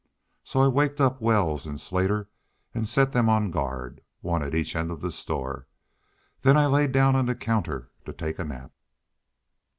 So I waked up Wells an' Slater an' set them on guard, one at each end of the store. Then I laid down on the counter to take a nap."